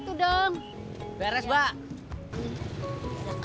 kenapa lu tak the luar